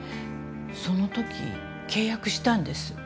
そのとき契約したんです。